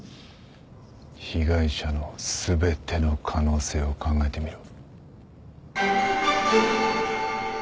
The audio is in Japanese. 被害者の全ての可能性を考えてみろ。